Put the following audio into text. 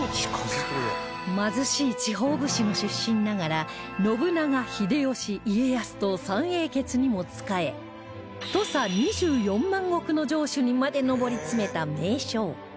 貧しい地方武士の出身ながら信長秀吉家康と三英傑にも仕え土佐２４万石の城主にまで上り詰めた名将